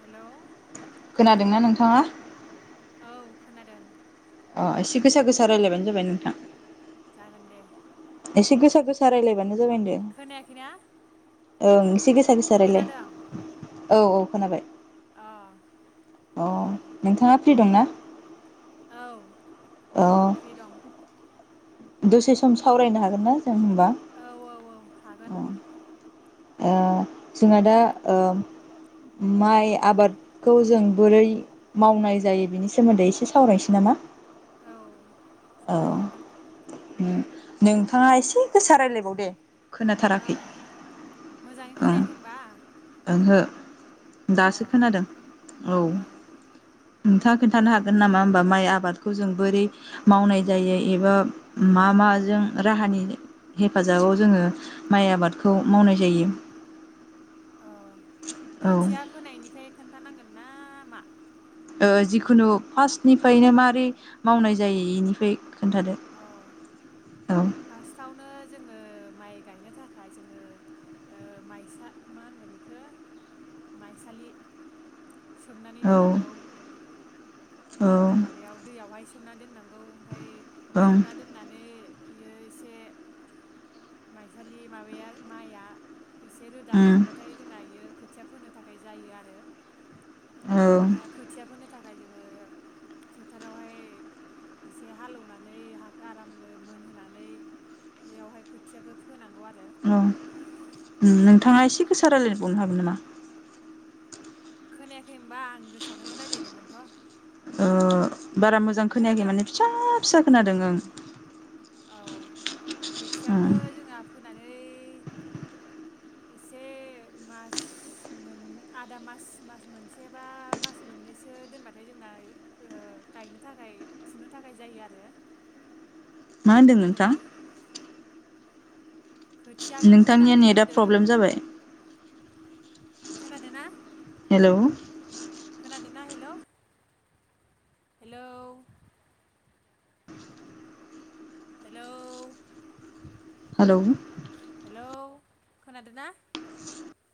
Hello खोनादोंना नोंथाङा? औ खोनादों अ एसे गोसा गोसा रायलायबानो जाबाय नोंथां जागोन दे एसे गोसा गोसा रायलायबानो जाबाय होनदो खोनायाखैना? ओं एसे गोस सा गोसा रायलाय औ औ खोनाबाय अ अ नोंथाङा फ्रि दंना? औ अ फ्रि दं दसे सम सावरायनो हागोन ना? दं होनबा औ औ औ हागोन ओ जोंहा दा ओ औ माइ आबादखौ जों बोरै मावनाय जायो बिनि सोमोन्दै एसे सावरायनोसै नामा औ औ सावरायजागोन उम नोंथाङा एसे गोसा रायलायबाव दे ओ खोनाथाराखै मोजाङै ओं खोनायाखै होनबा ओंहो दासो खोनादों औ ओं ओं नोंथाङा खोन्थानो हागोन नामा होमबा माइ आबादखौ जों बोरै मावनाय जायो एबा मा माजों राहानि हेफाजाबाव जोङो माइ आबादखौ मावनाय जायो। अ औ खोथिया फोनायनिफ्राय खोन्थानांगोन ना मा? ओ जिखुनु फार्स्टनिफ्रायनो मारै मावनाय जायो एनिफ्राय खोन्थादो अ औ फार्स्टआवनो जोङो माइ गायनो थाखाय जोङो ओ माइसा मा होनगोन बेखौ माइसालि सोमनानै औ दोननांगौ। औ माबायाव दैयावहाय सोबना दोननां गौ ओमफ्राय ओं सोमना दोननानै बियो एसे माइसालि माबाया माइआ एसे रोदा उम ओंखारबाथाय जोंना इयो खोथिया फोनो थाखाय जायो आरो। औ हा खोथिया फोनो थाखाय जोङो फोथारावहाय एसे हालेवनानै हाखौ आरामनो मोनहोनानै बेयावहाय खोथियाखौ फोनांगौ आ औ ओम नों थाङा एसे गोसा रायलायबावनो हागोन नामा? खोनायाखै होनबा आं गोसाखौनो रायलायदोंमोनथ' ओ बारा मोजां खोनायाखै माने फिसा फिसा खोनादों ओं औ खोथियाखौ ओं जोंहा फोनानै एसे मास मोन आदा मास मास मोनसे बा मास मोननैसो दोनबाथाय जोंना ओ गायनो थाखाय फुनो थाखाय जायो आरो। मा होनदों खोनादोंना नोंथां? खोथियाखौ नोंथांनिया फोनानै नेटआ प्रब्लेम होनदों जाबाय खोनादों ना हेलौ खोनादों ना hello hello hello hello hello खोनादोंना? [unintelligible]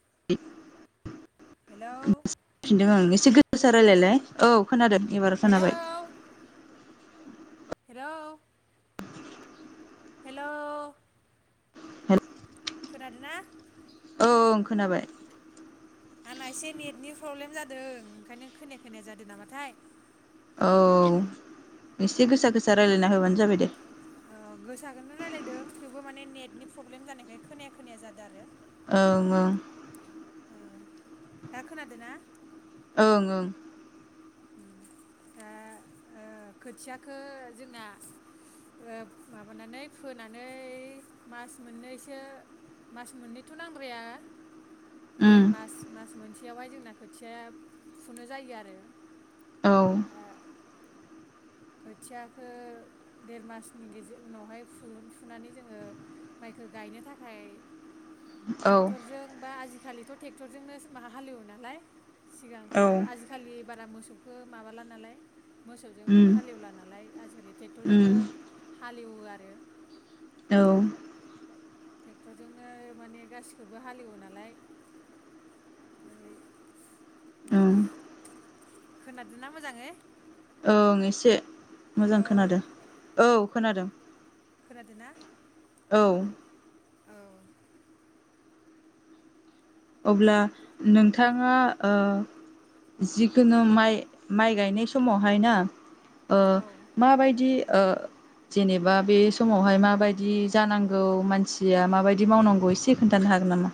हेलौ [unintelligible] इसे गोसा रायलायलाय औ खोनादों एबार हेलौ खोनाबाय हेलौ हेलौ [unintelligible] खोनादों ना? ओं खोनाबाय आंना एसे नेटनि प्रब्लेम जादों ओंखायनो खोनाया खोनाया जादों नामाथाय औ एसे गोसा गोसा रायज्लायना होबानो जाबाय दे। ओ गोसाखोनो रायज्लायदों थेवबो माने नेटनि प्रब्लेम जानायखाय खोनाया खोनाया जादों आरो। ओं ओं औ दा खोनादों ना? ओं ओं ओम दा ओ खोथियाखौ जोंना ओ माबानानै फोनानै मास मोननैसो मास मोननैथ' नांद्राया ओं देर उम मास मास मोनसेयावहाय जोंना खोथियाया फुनो जायो आरो। औ खोथियाखौ देर मासनि गेजेर उनावहाय फु-फुनानै जोङो माइखो गायनो थाखाय औ ट्रेक्टरजों बा आजिखालि ट्रेक्टरजोंनो मा हालेवो नालाय। सिगांथ औ आजिखालि बारा मोसौखौ माबाला नालाय मोसौजोंनो उम हालेवला नालाय आजिखालि उम ट्रेक्टरजोंनो हालेवो आरो। औ ट्रेक्टरजोंनो माने गासिखौबो हालेवो नालाय ओफ्राय। ओं खोनादोंना मोजाङै? ओं एसे मोजां हेलौ खोनादों औ खोनादों। खोनादों ना? औ अब्ला नोंथाङा ओ जिखुनु माइ माइ गायनाय समावहाय ना ओ माबायदि जेनेबा बे समावहाय माबायदि जानांगौ मानसिया माबायदि मावनांगौ एसे खोन्थानो हागोन नामा?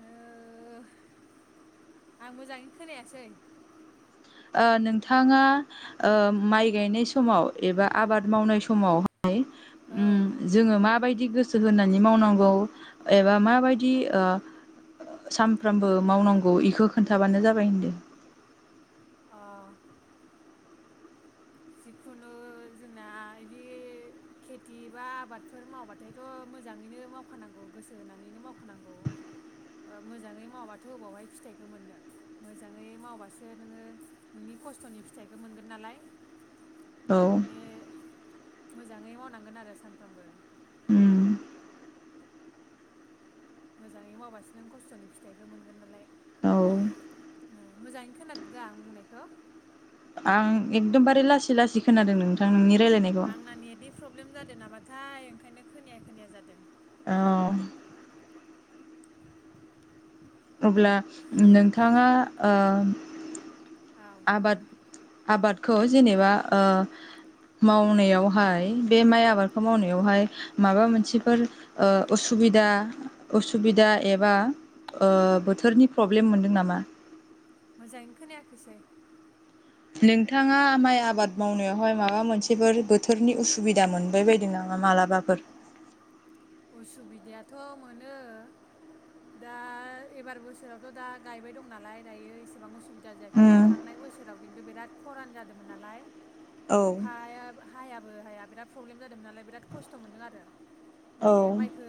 आं आं मोजाङैनो खोनायासै। नोंथाङा ओ माइ गायनाय समाव एबा आबाद मावनाय समाव औ जो मा बायदि दि गोसो होनानै मावनांगौ एबा माबायदि ओ सानफ्रामबो मावनांगौ बेखौ खोन्थाबानो जाबाय होनदों। अ जिखुनु जोंना बिदि खेथि बा आबादफोर मावबाथायथ मोजाङैनो मावखानांगौ गोसो होनानैनो मावखानांगौ मोजाङै मावाबाथ अबावहाय फिथाइखौ मोननो मोजाङै मावबासो नोङो नोंनि खस्थनि फिथाइखौ मोनगोन नालाय। औ ने मोजाङै मावनांगोन आरो सानफ्रामबो उम मोजाङै मावबासो नों खस्थनि फिथाइखौ मोनगोन नालाय औ मोजाङैनो खोनादो दा आं बुंनायखौ। आं एकदमबारे लासै लासै खोनादों नोंथां नोंनि रायलायनायखौ आंना नेटनि प्रब्लेम जादों नामाथाय ओंखायनो खोनाया खोनाया जादों। औ अब्ला नोंथाङा ओ औ आबाद आबादखौ जेनेबा मावनायावहाय बे माइ आबादखौ मावनायावहाय माबा मोनसेफोर उसुबिदा उसुबिदा एबा ओ बोथोरनि प्रब्लेम मोनदों नामा? मोजाङैनो खोनायाखैसै नोंथाङा माइ आबाद मावनायावहाय माबा मोनसेफोर बोथोरनि उसुबिदा मोनबाय बायदों नामा मालाबाफोर। उसुबिदायाथ' मोनो दा एबार बोसोरावथ' दा गायबाय दं नालाय दायो एसेबां उसुबिदा सुबिदा जायाखै आरो उम थांनाय बोसोराव खिन्थु बिराद खरान जादोंमोन नालाय। औ अखाया हायाबो हाया बिराद प्रब्लेम जादोंमोन नालाय बिराद खस्थ' मोनदों आरो। औ माने माइखो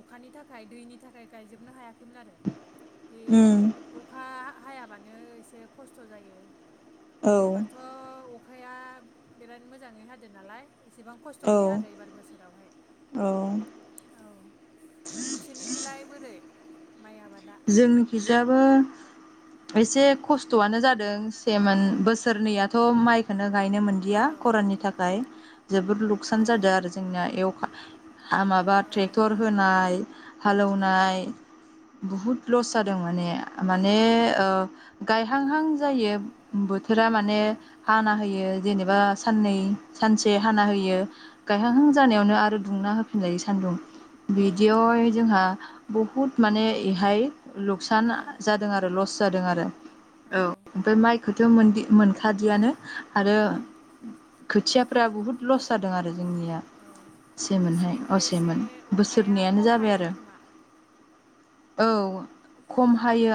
अखानि थाखाय दैनि थाखाय गायजोबनो हायाखैमोन आरो। बे उम अखा हायाबानो एसे खस्थ' जायो। औ एबारथ' अख अखाया बिराद मोजाङै हादों नालाय। एसेबां खस्थ' औ गैया आरो एबार बोसोरावहाय। औ नोंसोरनिखिलाय बोरै माइ आबाद जोंनि खिजाबो एसे खस्थ'आनो जादों सेमोन बोसोरनैयाथ' माइखौनो गायनो मोनदिया खराननि थाखाय। जोबोद लुखसान जादों आरो जोंनाया एवखा माबा ट्रेक्टर होनाय हालोव नाय बुहुद लस जादों माने। माने ओ गायहांहां जायो बोथोरा माने हाना होयो। जेनेबा साननै सानसे हाना होयो। गायहां हां जानायावनो आरो दुंना हो होनजायो सान्दुं बिदियावहाय जोंहा बहुद माने एहाय लुकसान जादों आरो लस जादों आरो औ ओमफ्राय माइखौ मोनखादियानो। आरो खोथियाफ्रा बुहुद लस जादों आरो। जोंनिया सेमोनहाय नोंसिनिखौ एसे असेमोन अखाया बोसोरनैयानो खम जाबाय हायो आरो। खोमा औ खम हायो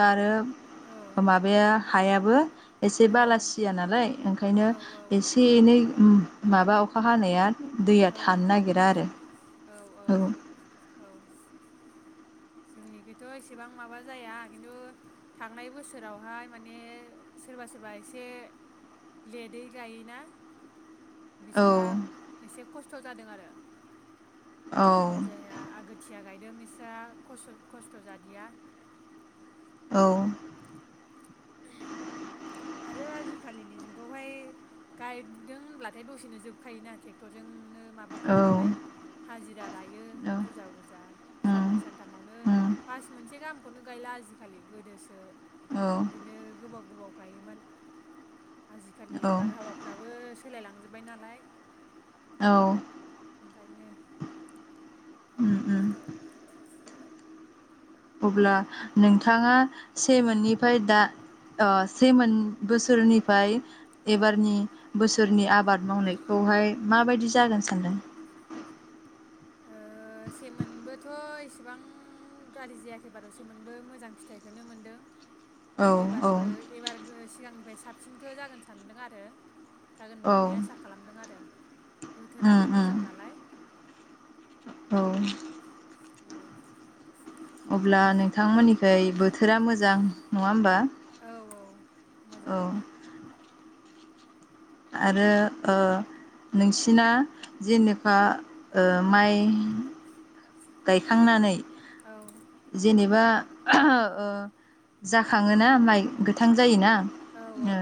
औ आरो माबाया हायाबो एसे औ बालासिया नालाय ओंखायनो औ एसे एनै उम माबा अखा हानाया दैया औ थानो नागिरा आरो। औ औ जोंनिखैथ' इसेबां माबा जाया खिन्थु थांनाय बोसोरावहाय माने सोरबा सोरबा एसे लेटै गायोना औ बिसोरहा खस्थ' जादों आरो। औ जाय जायना आगोथिया गायदों बिस्रा खस खस्थ' जादिया औ आरो आजिखालिनि जुगावहाय गायदों होनब्लाथाय दसेनो जोबखायोना टेक्टरजों उम नो औ माबाखायो नालाय हाजिरा लायो बुरजा बुरजा साननै सानथामावनो मास मोनसे गाहाम खौनो गायला आजिखालि गोदोसो औ इदिनो गोबाव गोबाव गायोमोन आजिखालि औ औ बारहावाफ्राबो सोलायलांजोब बाय नालाय औ ओंखायनो उम उम अब्ला नोंथाङा सेमोननिफ्राय दा ओ सेमोन बोसोरनिफ्राय औ एबारनि बोसो सोरनि आबाद मावनायखौहाय माबायदि जागोन सानदों ओ सेमोनबोथ' इसेबां गारजि जायाखै बारु सेमोनबो मोजां फिथाइखोनो मोनदों औ औ एबारबो एबारगो सिगांनिफ्राय साबसिनखो जागोन सानदों आरो जागोन औ होननानै आसा खालामदों आरो बोथोराबो उम उम मोजां नालाय औ औ अब्ला नोंथांमोननिफ्राय बोथोरा मोजां नङा होमबा औ औ औ मोजाङानो आरो ओ नोंसिना जेनेबा ओ माइ गायखांनानै औ जेनेबा ओ जाखाङोना माइ गोथां जायोना औ ओ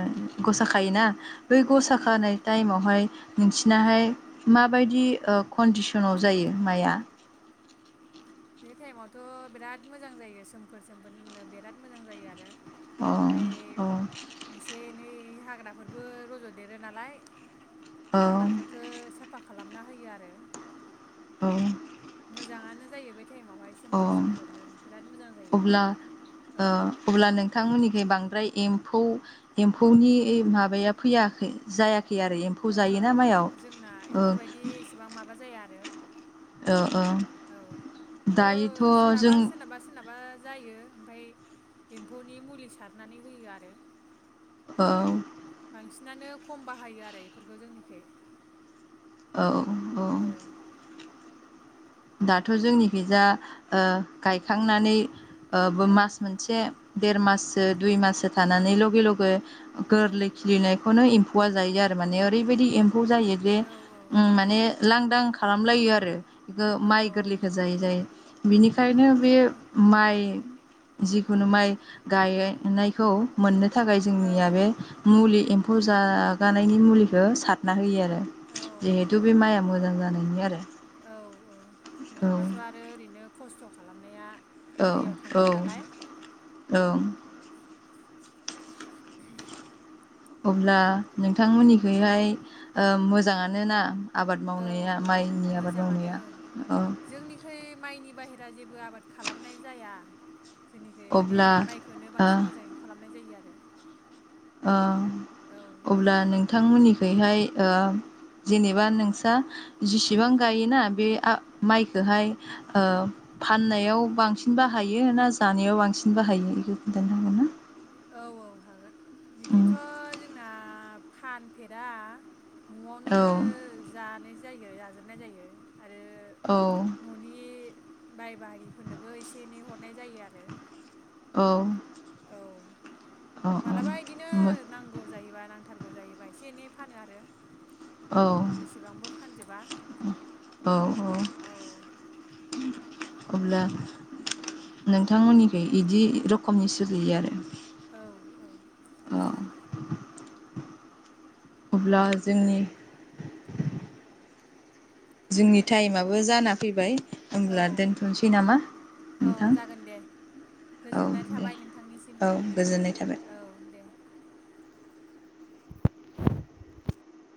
गसा खायोना बै औ औ गसा खानाय टाइमावहाय नोंसिनाहाय माबायदि ओ कन्डिसनाव जायो माया बे टाइमावथ' बिराद मोजां जायो सोमखोर सोमखोरनो बिराद मोजां जायो आरो अ ओमफफ्राय औ इसे एनै हाग्राफोरबो रज'देरो नालाय औ हाग्राफोरखौ साफा खालामना होयो आरो औ मोजाङानो जायो बे टाइमावहाय अ सोमखोर सोमखोरनो बिराद मोजां जायो अब्ला ओ औ अब्ला नोंथांमोननिखै बांद्राय एम फौ एम्फौनि माबाया फैयाखै जायाखै आरो एम्फौ ओहो जायोना ओहो माइयाव जोंना ओ इफोरबायदि एसेबां माबा जाया आरो ओ ओ औ खिन्थु दायोथ' सोराबा जों सोरनाबा सोरनाबा जायो ओमफ्राय एम्फौनि मुलि सारनानै होयो आरो औ बांसिनानो खम बाहायो आरो एफोरखौ जोंनिखै औ औ दाथ' जोंनि खैजा ओ गायखांनानै ओ बो औ मास मोनसे देर माससो दुइ माससो थानानै लगे लगे औ गोरलै खिलिनायखौनो एम गवार जायो आरो माने ओरैबायदि एम्फौ जायो जे औ उम माने लांदां खालामलायो आरो गो औ माइ गोरलैखो जायै जायै बिनिखायनो होनब्लाथ' बे औ माइ जिखुनु माइ गायनायखौ मोननो थाखाय औ जोंनिया बे मुलि एमफ फौ जागानायनि मुलिखौ सारना होयो आरो जिहेथु औ बे माइआ मोजां जानायनि आरो औ औ औ नङाबाथ' आरो ओरैनो नो खस्थ' खालामनाया दैयाव थांगोन औ नालाय औ औ [unintelligible] अब्ला नोंथांमोननिखौहाय मोजाङान ना आबाद औ मावनाया औ माइनि आबाद मोजाङानो मावनाया बायेरा जेबो आबाद खालामनाय जाया जोंनिखै माने अब्ला माइखौनो ओ बांसिन मोजाङै खालामनाय जायो आरो [unintelligible] ओ औ अब्ला नोंथांमोननि बेहाय ओ जेनेबा नोंसा जेसेबां गायोना बे मा माइखौ हाय ओ फाननायाव बांसिन बाहायो ना जानायाव बांसिन बाहायो बेखौ खिन्थानो हागौ ना औ औ हागोन उम बिदिथ' जोंना फानफेरा न'आवनो औ जानाय जायो जाजोबनाय जायो आरो औ न'नि बाय बाहागिफोरनोबो एसे एनै हरनाय जायो आरो औ औ मालाबा बिदिनो औ नांगौ जायोबा नांथारगौ जायोबा एसे एनै फानो आरो औ एसेबांबो फानजोबा औ अब्ला नोंथांमोननिखि बिदि रोखमनि सुजियो आरो औ औ औ अब्ला जोंनि जोंनि टाइमाबो जाना फैबाय औ होनब्ला दोनथ'निसै नामा औ नोंथां जागोन दे औ गोजोननाय दे थाबाय नों थांनिसिम औ गोजोननाय थाबाय औ दे [inaudible]